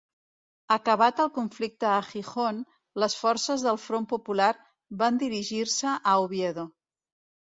Acabat el conflicte a Gijón, les forces del Front Popular van dirigir-se a Oviedo.